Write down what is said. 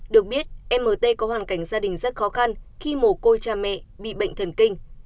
được biết emmt có hoàn cảnh gia đình rất khó khăn khi mồ côi cha mẹ bị bệnh thần kinh